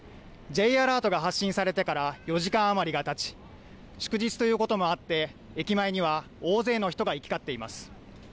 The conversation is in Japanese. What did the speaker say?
Ｊアラートが発信されてから４時間余りがたち祝日ということもあって駅前には大勢の人が行き交っています。